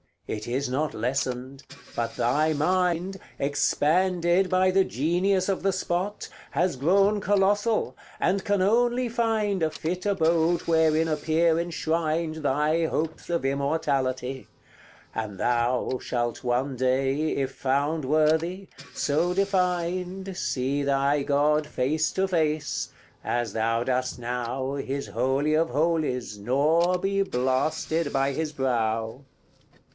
it is not lessened; but thy mind, Expanded by the genius of the spot, Has grown colossal, and can only find A fit abode wherein appear enshrined Thy hopes of immortality; and thou Shalt one day, if found worthy, so defined, See thy God face to face, as thou dost now His Holy of Holies, nor be blasted by his brow.